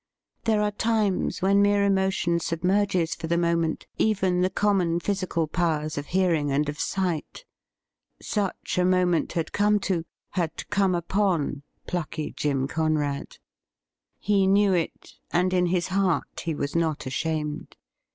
There are times when mere emotion submerges for the moment even the common physical powers of hearing and of sight. Such a moment had come to — had come upon — plucky Jim Con rad. He knew it, and in his heart he was not ashamed.